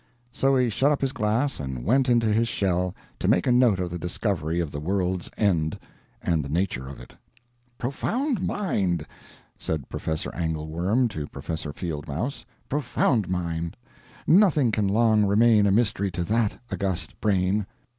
So he shut up his glass and went into his shell to make a note of the discovery of the world's end, and the nature of it. "Profound mind!" said Professor Angle Worm to Professor Field Mouse; "profound mind! nothing can long remain a mystery to that august brain."